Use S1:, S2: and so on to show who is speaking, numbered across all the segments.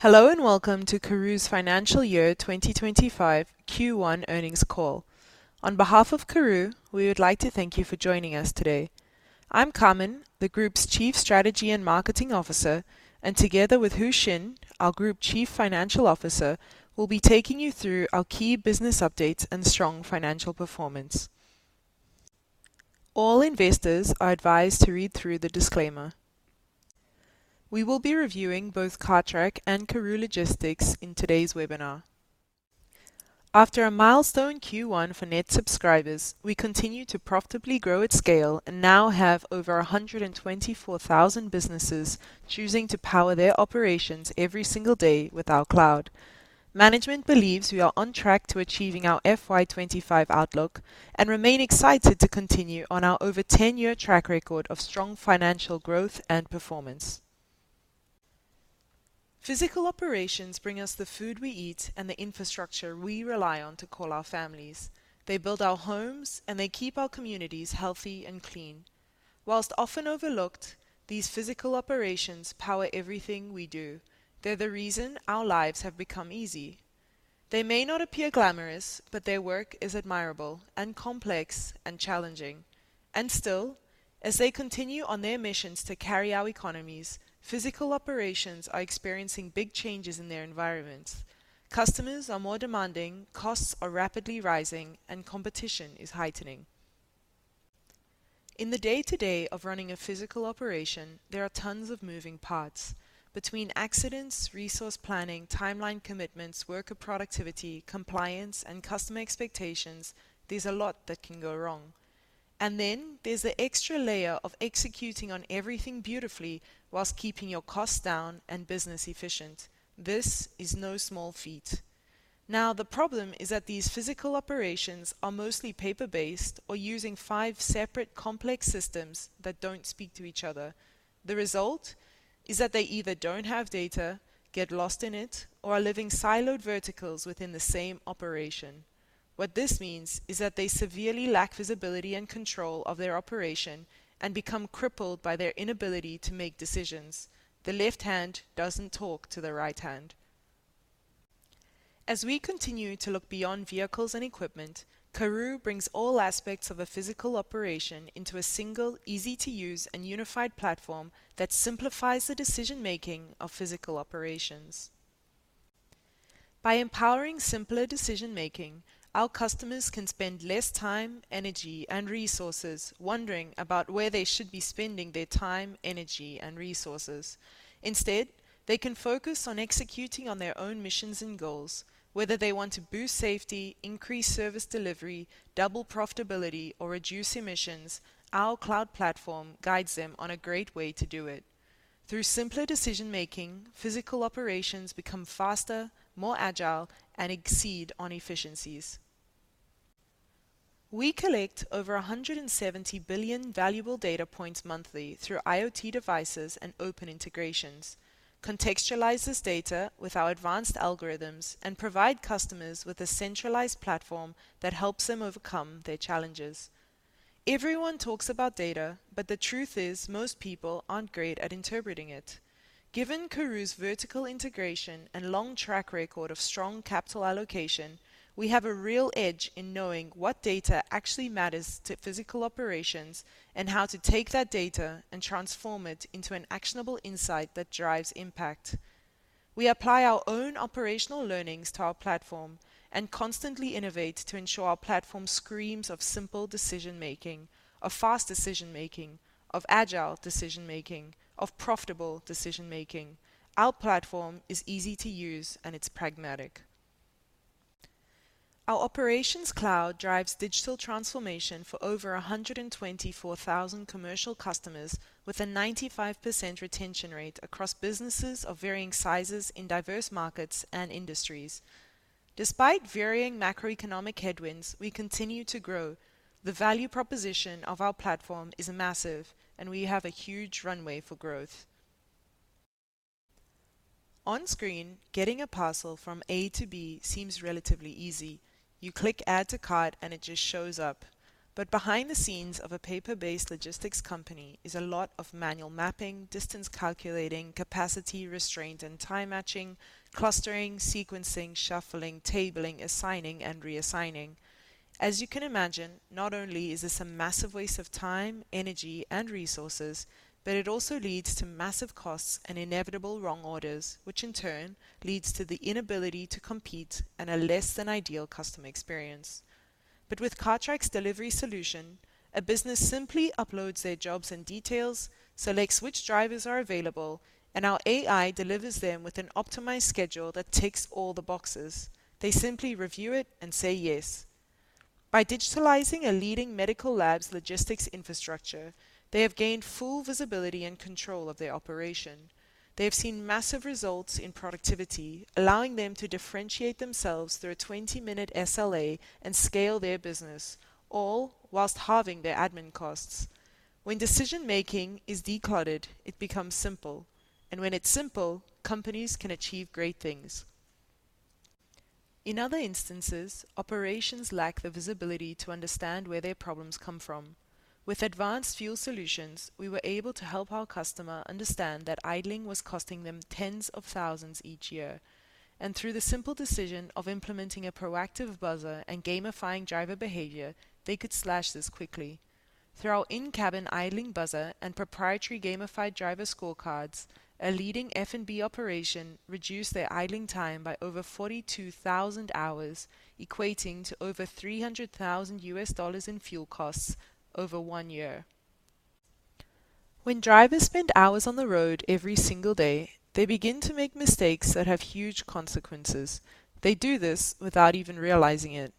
S1: Hello and welcome to Karooooo's Financial Year 2025 Q1 Earnings Call. On behalf of Karooooo, we would like to thank you for joining us today. I'm Carmen, the Group Chief Strategy and Marketing Officer, and together with Hoeshin, our Group Chief Financial Officer, we'll be taking you through our key business updates and strong financial performance. All investors are advised to read through the disclaimer. We will be reviewing both Cartrack and Karooooo Logistics in today's webinar. After a milestone Q1 for net subscribers, we continue to profitably grow at scale and now have over 124,000 businesses choosing to power their operations every single day with our cloud. Management believes we are on track to achieving our FY 2025 outlook and remain excited to continue on our over 10-year track record of strong financial growth and performance. Physical operations bring us the food we eat and the infrastructure we rely on to call our families. They build our homes, and they keep our communities healthy and clean. While often overlooked, these physical operations power everything we do. They're the reason our lives have become easy. They may not appear glamorous, but their work is admirable and complex and challenging. And still, as they continue on their missions to carry our economies, physical operations are experiencing big changes in their environments. Customers are more demanding, costs are rapidly rising, and competition is heightening. In the day-to-day of running a physical operation, there are tons of moving parts. Between accidents, resource planning, timeline commitments, worker productivity, compliance, and customer expectations, there's a lot that can go wrong. And then there's the extra layer of executing on everything beautifully while keeping your costs down and business efficient. This is no small feat. Now, the problem is that these physical operations are mostly paper-based or using five separate complex systems that don't speak to each other. The result is that they either don't have data, get lost in it, or are living siloed verticals within the same operation. What this means is that they severely lack visibility and control of their operation and become crippled by their inability to make decisions. The left hand doesn't talk to the right hand. As we continue to look beyond vehicles and equipment, Karooooo brings all aspects of a physical operation into a single, easy-to-use and unified platform that simplifies the decision-making of physical operations. By empowering simpler decision-making, our customers can spend less time, energy, and resources wondering about where they should be spending their time, energy, and resources. Instead, they can focus on executing on their own missions and goals. Whether they want to boost safety, increase service delivery, double profitability, or reduce emissions, our cloud platform guides them on a great way to do it. Through simpler decision-making, physical operations become faster, more agile, and exceed on efficiencies. We collect over 170 billion valuable data points monthly through IoT devices and open integrations, contextualize this data with our advanced algorithms, and provide customers with a centralized platform that helps them overcome their challenges. Everyone talks about data, but the truth is most people aren't great at interpreting it. Given Karooooo's vertical integration and long track record of strong capital allocation, we have a real edge in knowing what data actually matters to physical operations and how to take that data and transform it into an actionable insight that drives impact. We apply our own operational learnings to our platform and constantly innovate to ensure our platform screams of simple decision-making, of fast decision-making, of agile decision-making, of profitable decision-making. Our platform is easy to use, and it's pragmatic. Our Operations Cloud drives digital transformation for over 124,000 commercial customers with a 95% retention rate across businesses of varying sizes in diverse markets and industries. Despite varying macroeconomic headwinds, we continue to grow. The value proposition of our platform is massive, and we have a huge runway for growth. On screen, getting a parcel from A to B seems relatively easy. You click add to cart, and it just shows up. But behind the scenes of a paper-based logistics company is a lot of manual mapping, distance calculating, capacity restraint and time matching, clustering, sequencing, shuffling, tabling, assigning, and reassigning. As you can imagine, not only is this a massive waste of time, energy, and resources, but it also leads to massive costs and inevitable wrong orders, which in turn leads to the inability to compete and a less than ideal customer experience. But with Cartrack's delivery solution, a business simply uploads their jobs and details, selects which drivers are available, and our AI delivers them with an optimized schedule that ticks all the boxes. They simply review it and say yes. By digitalizing a leading medical lab's logistics infrastructure, they have gained full visibility and control of their operation. They have seen massive results in productivity, allowing them to differentiate themselves through a 20-minute SLA and scale their business, all while halving their admin costs. When decision-making is decluttered, it becomes simple. And when it's simple, companies can achieve great things. In other instances, operations lack the visibility to understand where their problems come from. With advanced fuel solutions, we were able to help our customer understand that idling was costing them 10s of thousands each year. Through the simple decision of implementing a proactive buzzer and gamifying driver behavior, they could slash this quickly. Through our in-cabin idling buzzer and proprietary gamified driver scorecards, a leading F&B operation reduced their idling time by over 42,000 hours, equating to over $300,000 in fuel costs over one year. When drivers spend hours on the road every single day, they begin to make mistakes that have huge consequences. They do this without even realizing it.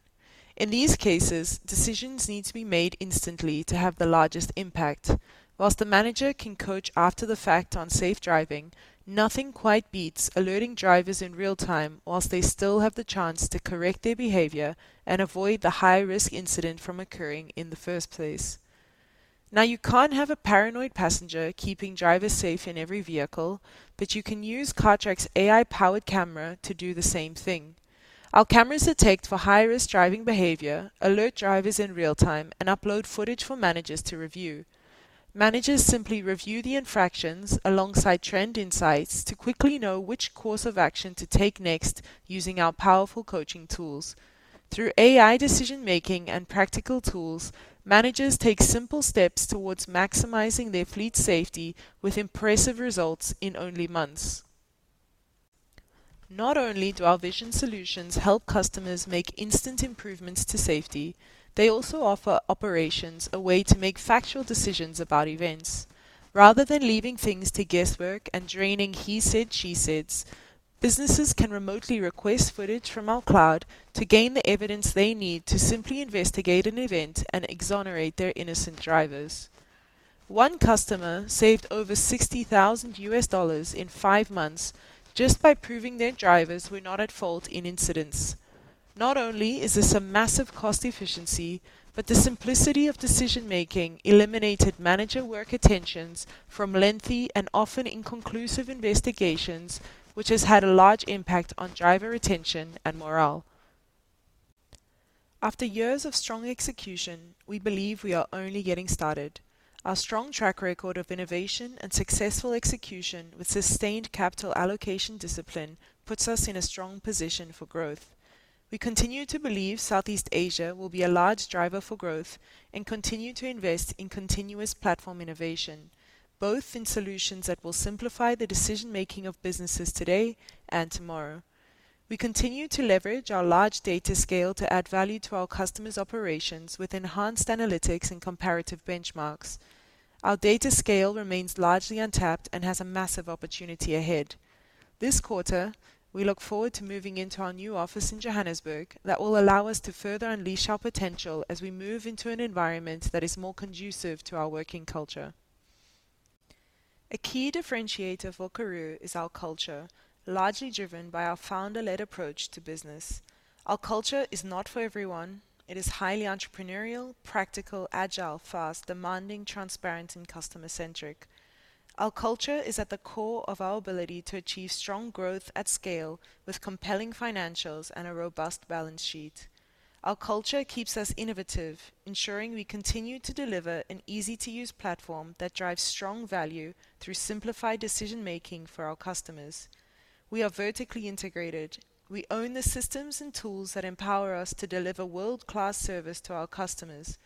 S1: In these cases, decisions need to be made instantly to have the largest impact. While the manager can coach after the fact on safe driving, nothing quite beats alerting drivers in real time while they still have the chance to correct their behavior and avoid the high-risk incident from occurring in the first place. Now, you can't have a paranoid passenger keeping drivers safe in every vehicle, but you can use Cartrack's AI-powered camera to do the same thing. Our cameras detect for high-risk driving behavior, alert drivers in real time, and upload footage for managers to review. Managers simply review the infractions alongside trend insights to quickly know which course of action to take next using our powerful coaching tools. Through AI decision-making and practical tools, managers take simple steps towards maximizing their fleet safety with impressive results in only months. Not only do our vision solutions help customers make instant improvements to safety, they also offer operations a way to make factual decisions about events. Rather than leaving things to guesswork and draining he said, she said, businesses can remotely request footage from our cloud to gain the evidence they need to simply investigate an event and exonerate their innocent drivers. One customer saved over $60,000 in five months just by proving their drivers were not at fault in incidents. Not only is this a massive cost efficiency, but the simplicity of decision-making eliminated manager work attentions from lengthy and often inconclusive investigations, which has had a large impact on driver retention and morale. After years of strong execution, we believe we are only getting started. Our strong track record of innovation and successful execution with sustained capital allocation discipline puts us in a strong position for growth. We continue to believe Southeast Asia will be a large driver for growth and continue to invest in continuous platform innovation, both in solutions that will simplify the decision-making of businesses today and tomorrow. We continue to leverage our large data scale to add value to our customers' operations with enhanced analytics and comparative benchmarks. Our data scale remains largely untapped and has a massive opportunity ahead. This quarter, we look forward to moving into our new office in Johannesburg that will allow us to further unleash our potential as we move into an environment that is more conducive to our working culture. A key differentiator for Karooooo is our culture, largely driven by our founder-led approach to business. Our culture is not for everyone. It is highly entrepreneurial, practical, agile, fast, demanding, transparent, and customer-centric. Our culture is at the core of our ability to achieve strong growth at scale with compelling financials and a robust balance sheet. Our culture keeps us innovative, ensuring we continue to deliver an easy-to-use platform that drives strong value through simplified decision-making for our customers. We are vertically integrated. We own the systems and tools that empower us to deliver world-class service to our customers.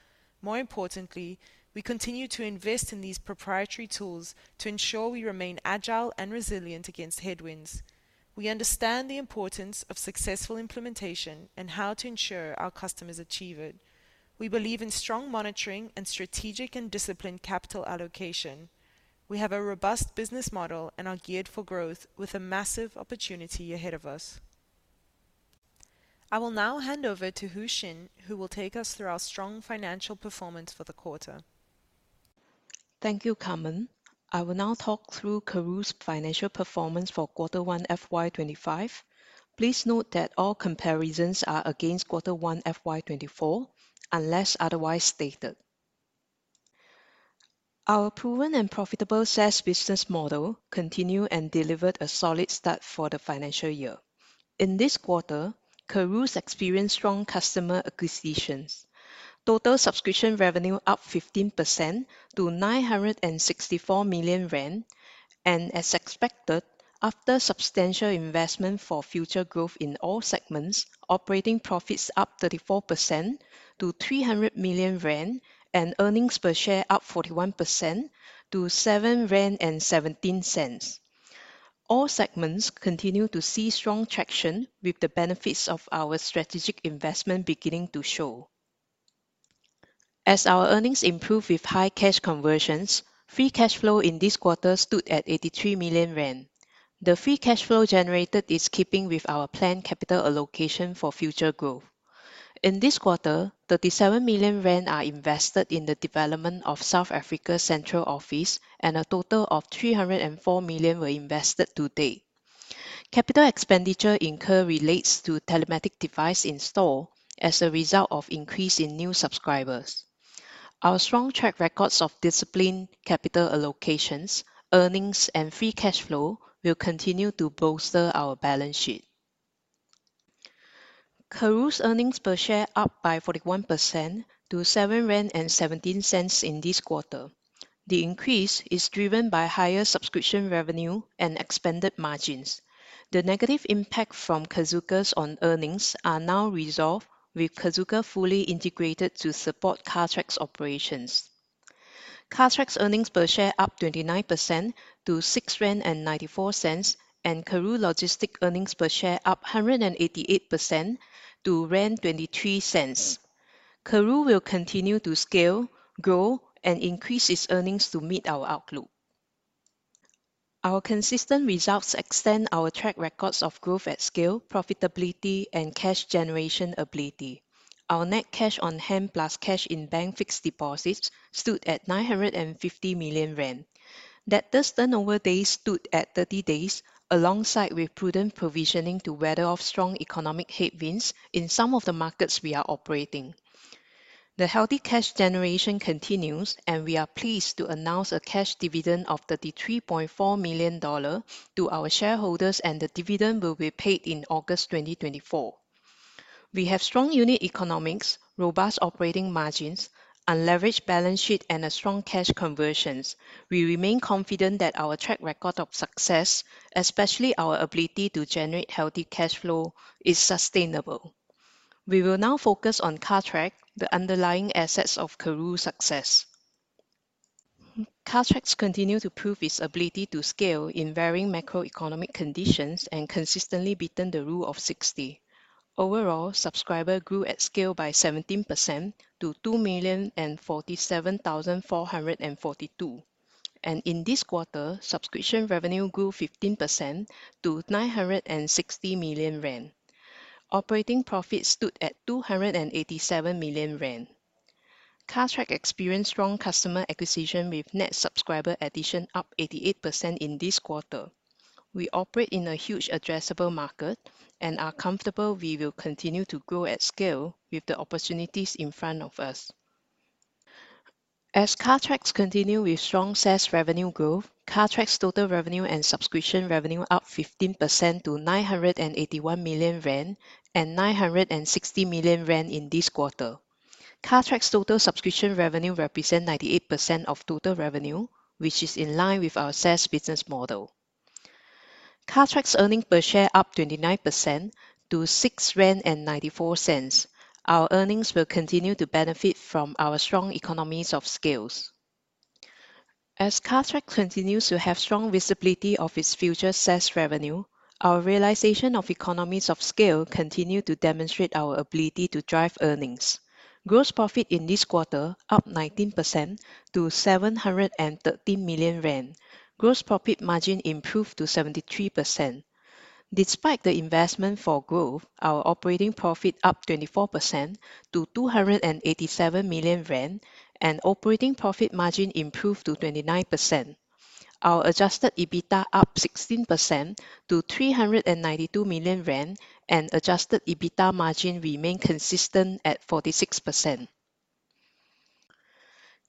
S1: More importantly, we continue to invest in these proprietary tools to ensure we remain agile and resilient against headwinds. We understand the importance of successful implementation and how to ensure our customers achieve it. We believe in strong monitoring and strategic and disciplined capital allocation. We have a robust business model and are geared for growth with a massive opportunity ahead of us. I will now hand over to Hoeshin, who will take us through our strong financial performance for the quarter.
S2: Thank you, Carmen. I will now talk through Karooooo's financial performance for Q1 FY 2025. Please note that all comparisons are against Q1 FY 2024 unless otherwise stated. Our proven and profitable SaaS business model continued and delivered a solid start for the financial year. In this quarter, Karooooo's experienced strong customer acquisitions. Total subscription revenue up 15% to 964 million rand. And as expected, after substantial investment for future growth in all segments, operating profits up 34% to 300 million rand and earnings per share up 41% to 7.17 rand. All segments continue to see strong traction with the benefits of our strategic investment beginning to show. As our earnings improve with high cash conversions, free cash flow in this quarter stood at 83 million rand. The free cash flow generated is keeping with our planned capital allocation for future growth. In this quarter, 37 million rand are invested in the development of South Africa's central office, and a total of 304 million were invested to date. Capital expenditure incurred relates to telematic device install as a result of increase in new subscribers. Our strong track records of disciplined capital allocations, earnings, and free cash flow will continue to bolster our balance sheet. Karooooo's earnings per share up by 41% to 7.17 rand in this quarter. The increase is driven by higher subscription revenue and expanded margins. The negative impact from Carzuka on earnings are now resolved with Carzuka fully integrated to support Cartrack's operations. Cartrack's earnings per share up 29% to 6.94 rand, and Karooooo Logistics earnings per share up 188% to 0.23. Karooooo will continue to scale, grow, and increase its earnings to meet our outlook. Our consistent results extend our track records of growth at scale, profitability, and cash generation ability. Our net cash on hand plus cash in bank fixed deposits stood at 950 million rand. Debtor's turnover days stood at 30 days, along with prudent provisioning to weather strong economic headwinds in some of the markets we are operating. The healthy cash generation continues, and we are pleased to announce a cash dividend of $33.4 million to our shareholders, and the dividend will be paid in August 2024. We have strong unit economics, robust operating margins, unleveraged balance sheet, and strong cash conversions. We remain confident that our track record of success, especially our ability to generate healthy cash flow, is sustainable. We will now focus on Cartrack, the underlying assets of Karooooo success. Cartrack continues to prove its ability to scale in varying macroeconomic conditions and consistently beating the rule of 60. Overall, subscribers grew at scale by 17% to 2,047,442. In this quarter, subscription revenue grew 15% to 960 million rand. Operating profit stood at 287 million rand. Cartrack experienced strong customer acquisition with net subscriber addition up 88% in this quarter. We operate in a huge addressable market and are comfortable we will continue to grow at scale with the opportunities in front of us. As Cartrack continues with strong SaaS revenue growth, Cartrack's total revenue and subscription revenue up 15% to 981 million rand and 960 million rand in this quarter. Cartrack's total subscription revenue represents 98% of total revenue, which is in line with our SaaS business model. Cartrack's earnings per share up 29% to 6.94 rand. Our earnings will continue to benefit from our strong economies of scale. As Cartrack continues to have strong visibility of its future SaaS revenue, our realization of economies of scale continues to demonstrate our ability to drive earnings. Gross profit in this quarter up 19% to 713 million rand. Gross profit margin improved to 73%. Despite the investment for growth, our operating profit up 24% to 287 million rand, and operating profit margin improved to 29%. Our adjusted EBITDA up 16% to 392 million rand, and adjusted EBITDA margin remained consistent at 46%.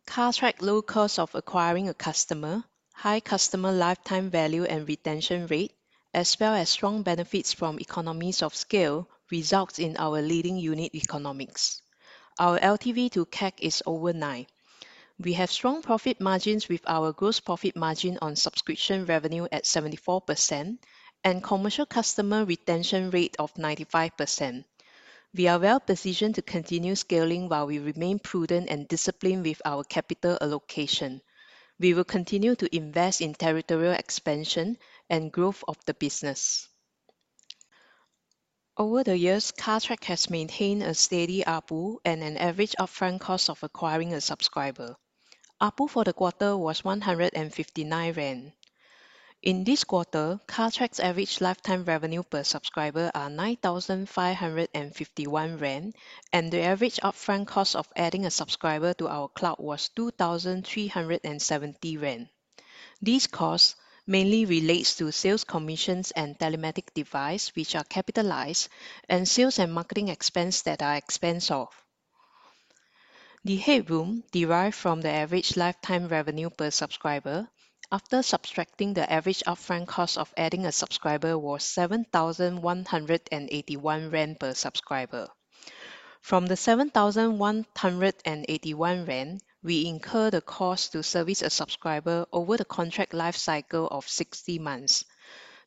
S2: Cartrack's low cost of acquiring a customer, high customer lifetime value and retention rate, as well as strong benefits from economies of scale results in our leading unit economics. Our LTV to CAC is over nine. We have strong profit margins with our gross profit margin on subscription revenue at 74% and commercial customer retention rate of 95%. We are well positioned to continue scaling while we remain prudent and disciplined with our capital allocation. We will continue to invest in territorial expansion and growth of the business. Over the years, Cartrack has maintained a steady ARPU and an average upfront cost of acquiring a subscriber. ARPU for the quarter was 159 rand. In this quarter, Cartrack's average lifetime revenue per subscriber is 9,551 rand, and the average upfront cost of adding a subscriber to our cloud was 2,370 rand. These costs mainly relate to sales commissions and telematic device, which are capitalized, and sales and marketing expenses that are expensed off. The headroom derived from the average lifetime revenue per subscriber, after subtracting the average upfront cost of adding a subscriber, was 7,181 rand per subscriber. From the 7,181 rand, we incur the cost to service a subscriber over the contract lifecycle of 60 months.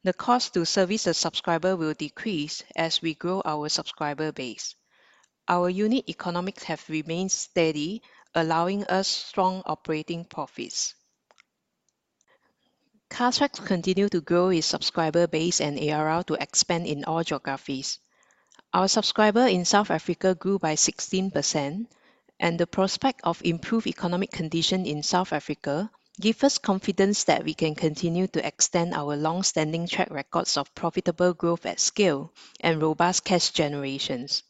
S2: The cost to service a subscriber will decrease as we grow our subscriber base. Our unit economics have remained steady, allowing us strong operating profits. Cartrack continues to grow its subscriber base and ARR to expand in all geographies. Our subscriber in South Africa grew by 16%, and the prospect of improved economic conditions in South Africa gives us confidence that we can continue to extend our long-standing track records of profitable growth at scale and robust cash generations.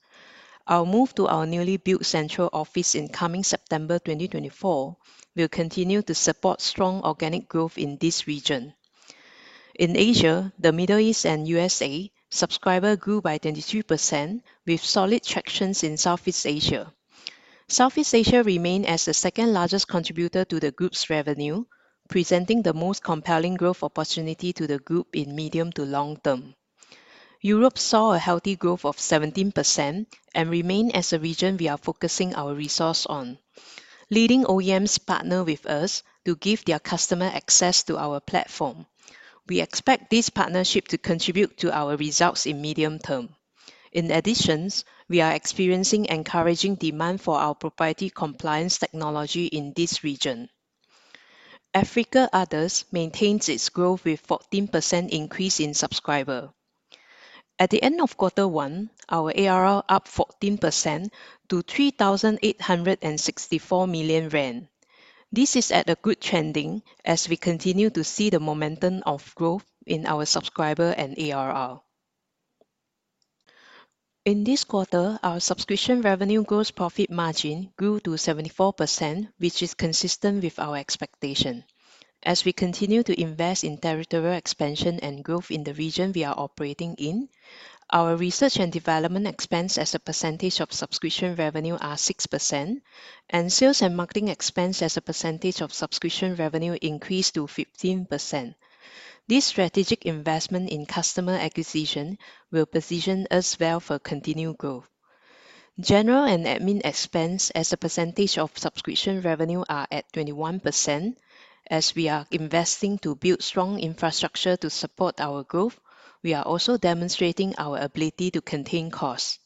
S2: Our move to our newly built central office in coming September 2024 will continue to support strong organic growth in this region. In Asia, the Middle East and USA, subscriber grew by 23% with solid tractions in Southeast Asia. Southeast Asia remains as the second largest contributor to the group's revenue, presenting the most compelling growth opportunity to the group in medium to long term. Europe saw a healthy growth of 17% and remains as the region we are focusing our resource on. Leading OEMs partner with us to give their customer access to our platform. We expect this partnership to contribute to our results in medium term. In addition, we are experiencing encouraging demand for our proprietary compliance technology in this region. Africa Others maintains its growth with a 14% increase in subscriber. At the end of Q1, our ARR up 14% to 3,864 million rand. This is at a good trending as we continue to see the momentum of growth in our subscriber and ARR. In this quarter, our subscription revenue gross profit margin grew to 74%, which is consistent with our expectation. As we continue to invest in territorial expansion and growth in the region we are operating in, our research and development expenses as a percentage of subscription revenue are 6%, and sales and marketing expenses as a percentage of subscription revenue increased to 15%. This strategic investment in customer acquisition will position us well for continued growth. General and admin expenses as a percentage of subscription revenue are at 21%. As we are investing to build strong infrastructure to support our growth, we are also demonstrating our ability to contain costs.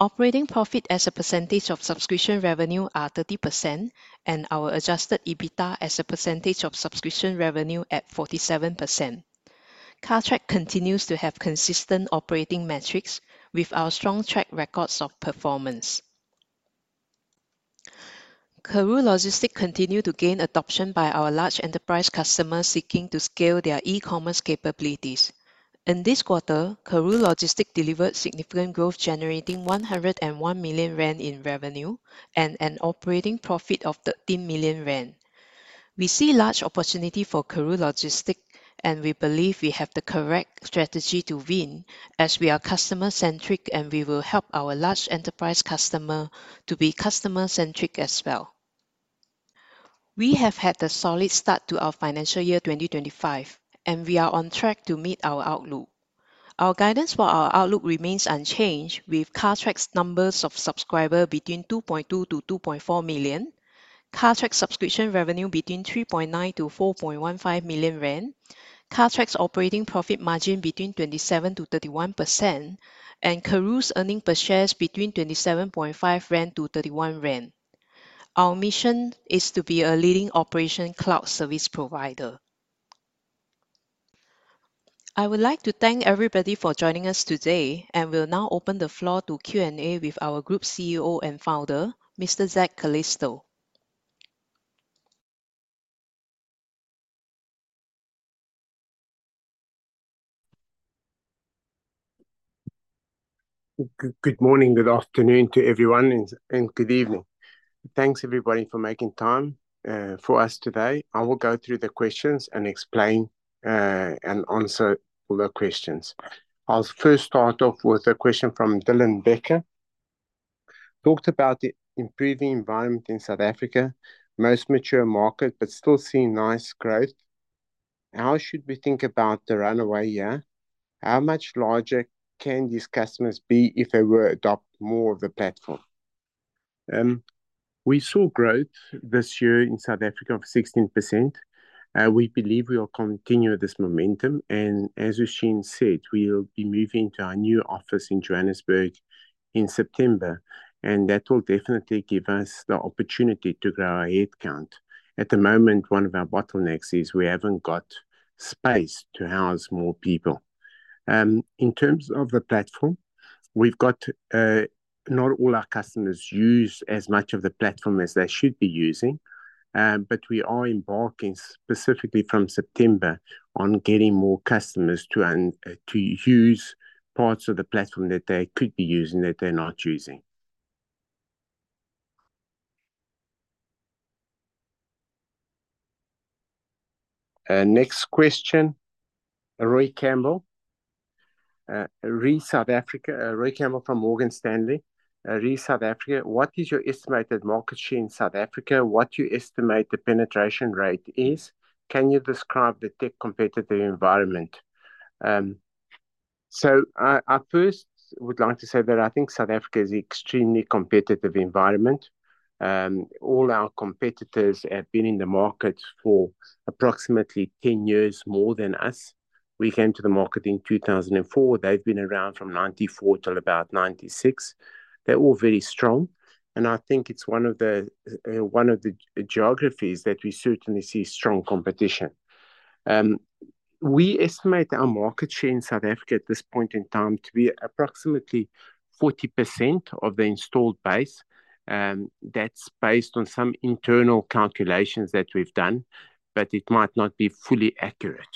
S2: Operating profit as a percentage of subscription revenue is 30%, and our adjusted EBITDA is a percentage of subscription revenue at 47%. Cartrack continues to have consistent operating metrics with our strong track records of performance. Karooooo Logistics continues to gain adoption by our large enterprise customers seeking to scale their e-commerce capabilities. In this quarter, Karooooo Logistics delivered significant growth, generating 101 million rand in revenue and an operating profit of 13 million rand. We see a large opportunity for Karooooo Logistics, and we believe we have the correct strategy to win as we are customer-centric, and we will help our large enterprise customers to be customer-centric as well. We have had a solid start to our financial year 2025, and we are on track to meet our outlook. Our guidance for our outlook remains unchanged, with Cartrack's numbers of subscribers between 2.2 million-2.4 million, Cartrack's subscription revenue between 3.9 million-4.15 million rand, Cartrack's operating profit margin between 27%-31%, and Karooooo's earnings per share between 27.5-31 rand. Our mission is to be a leading Operations Cloud service provider. I would like to thank everybody for joining us today, and we'll now open the floor to Q&A with our Group CEO and Founder, Mr. Zak Calisto.
S3: Good morning, good afternoon to everyone, and good evening. Thanks everybody for making time for us today. I will go through the questions and explain and answer all the questions. I'll first start off with a question from Dylan Becker. He talked about the improving environment in South Africa, most mature market, but still seeing nice growth. How should we think about the runaway year? How much larger can these customers be if they were to adopt more of the platform? We saw growth this year in South Africa of 16%. We believe we will continue this momentum, and as Hoeshin said, we'll be moving to our new office in Johannesburg in September, and that will definitely give us the opportunity to grow our headcount. At the moment, one of our bottlenecks is we haven't got space to house more people. In terms of the platform, we've got not all our customers use as much of the platform as they should be using, but we are embarking specifically from September on getting more customers to use parts of the platform that they could be using that they're not using. Next question, Roy Campbell. Re South Africa, Roy Campbell from Morgan Stanley. Re South Africa, what is your estimated market share in South Africa? What do you estimate the penetration rate is? Can you describe the tech competitive environment? So I first would like to say that I think South Africa is an extremely competitive environment. All our competitors have been in the market for approximately 10 years more than us. We came to the market in 2004. They've been around from 1994 till about 1996. They're all very strong, and I think it's one of the geographies that we certainly see strong competition. We estimate our market share in South Africa at this point in time to be approximately 40% of the installed base. That's based on some internal calculations that we've done, but it might not be fully accurate.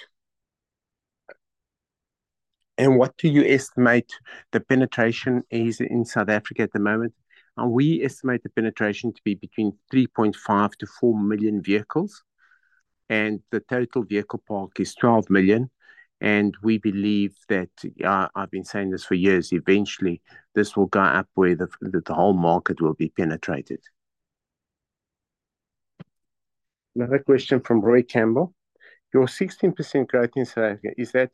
S3: And what do you estimate the penetration is in South Africa at the moment? We estimate the penetration to be between 3.5 million-4 million vehicles, and the total vehicle park is 12 million. We believe that, I've been saying this for years, eventually this will go up where the whole market will be penetrated. Another question from Roy Campbell. Your 16% growth in South Africa, is that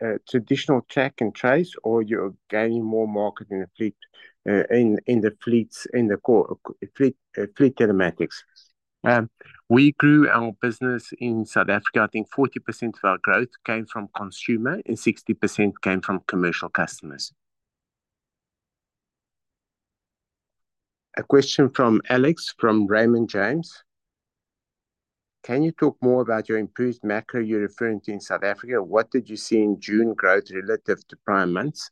S3: a traditional track and trace, or are you gaining more market in the fleet telematics? We grew our business in South Africa. I think 40% of our growth came from consumer and 60% came from commercial customers. A question from Alex from Raymond James. Can you talk more about your improved macro you're referring to in South Africa? What did you see in June growth relative to prior months?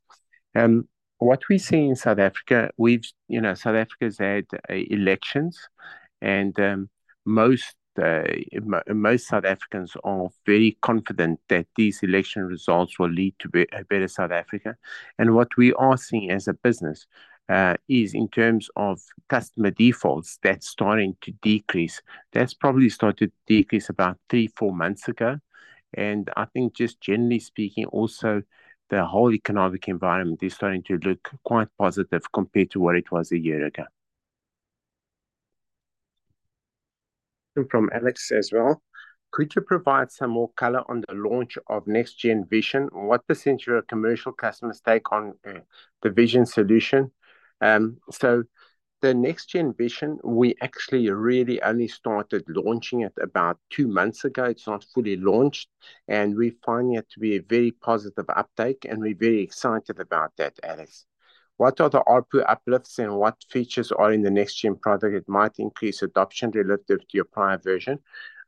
S3: What we see in South Africa, we've, you know, South Africa has had elections, and most South Africans are very confident that these election results will lead to a better South Africa. What we are seeing as a business is, in terms of customer defaults, that's starting to decrease. That's probably started to decrease about 3 months-4 months ago. I think just generally speaking, also the whole economic environment is starting to look quite positive compared to what it was a year ago. From Alex as well. Could you provide some more color on the launch of NextGen Vision? What percentage of commercial customers take on the vision solution? So the NextGen Vision, we actually really only started launching it about two months ago. It's not fully launched, and we find it to be a very positive uptake, and we're very excited about that, Alex. What are the upper uplifts and what features are in the NextGen product that might increase adoption relative to your prior version?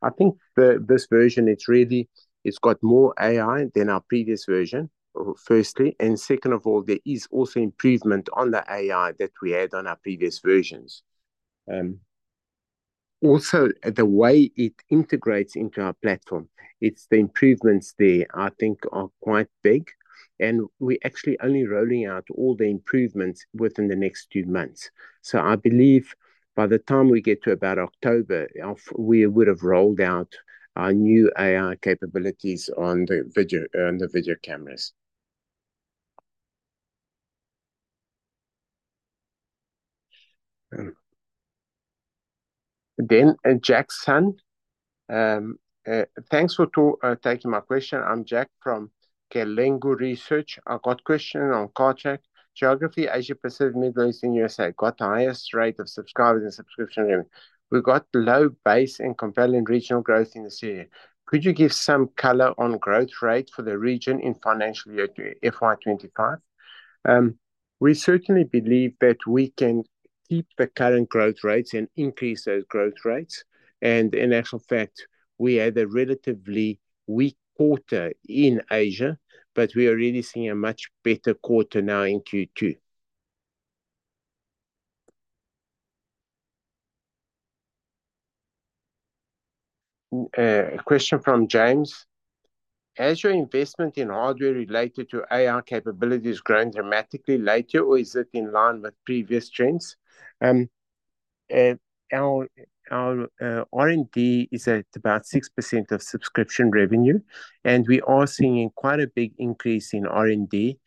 S3: I think this version, it's really, it's got more AI than our previous version, firstly. And second of all, there is also improvement on the AI that we had on our previous versions. Also, the way it integrates into our platform, it's the improvements there, I think, are quite big. And we're actually only rolling out all the improvements within the next few months. So I believe by the time we get to about October, we would have rolled out our new AI capabilities on the video cameras. Then Jack Sun. Thanks for taking my question. I'm Jack from Gelonghui Research. I've got a question on Cartrack geography, Asia Pacific, Middle East, and USA. Got the highest rate of subscribers and subscription revenue. We've got low base and compelling regional growth in the series. Could you give some color on growth rate for the region in financial year FY 2025? We certainly believe that we can keep the current growth rates and increase those growth rates. In actual fact, we had a relatively weak quarter in Asia, but we are really seeing a much better quarter now in Q2. A question from James. Has your investment in hardware related to AI capabilities grown dramatically later, or is it in line with previous trends? Our R&D is at about 6% of subscription revenue, and we are seeing quite a big increase in R&D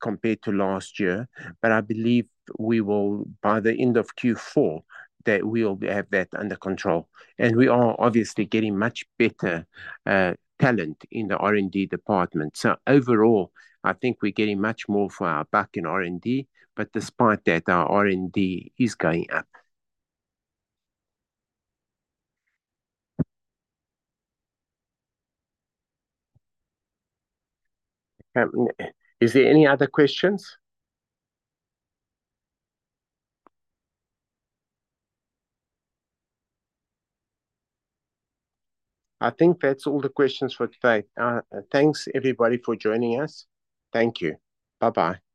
S3: compared to last year. I believe we will, by the end of Q4, that we will have that under control. We are obviously getting much better talent in the R&D department. Overall, I think we're getting much more for our buck in R&D, but despite that, our R&D is going up. Is there any other questions? I think that's all the questions for today. Thanks everybody for joining us. Thank you. Bye-bye.